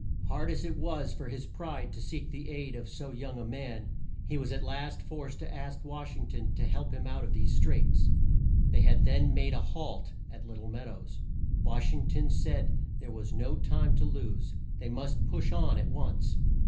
Hard as it was for his pride to seek the aid of so young a man, he was at last forced to ask Wash ing ton to help him out of these straits. They had then made a halt at Lit tle Mead ows. Wash ing ton said there was no time to lose. They must push on at once.